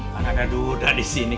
kan ada duda disini